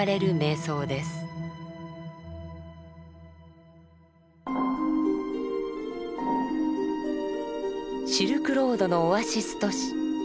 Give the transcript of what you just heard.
シルクロードのオアシス都市敦煌。